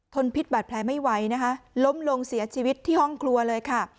พิษบาดแผลไม่ไหวนะคะล้มลงเสียชีวิตที่ห้องครัวเลยค่ะ